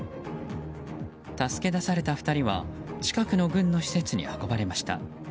助け出された２人は近くの軍の施設に運ばれました。